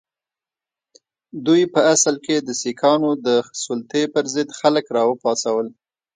دوی په اصل کې د سیکهانو د سلطې پر ضد خلک را وپاڅول.